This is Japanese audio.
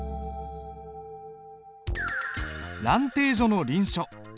「蘭亭序」の臨書。